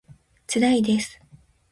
つらいです